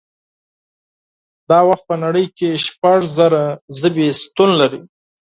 دا وخت په نړۍ کې شپږ زره ژبې شتون لري